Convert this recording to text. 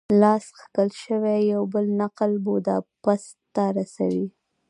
لاس کښل شوی یو بل نقل بوداپست ته رسوي.